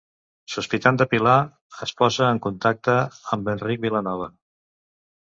Sospitant de Pilar, es posa en contacte amb Enric Vilanova.